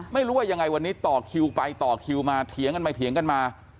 ไม่รู้ว่ายังไงวันนี้ต่อคิวไปต่อคิวมาเถียงกันไปเถียงกันมา